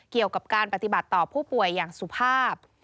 เกี่ยวกับการปฏิบัติต่อผู้ป่วยอย่างสุภาพ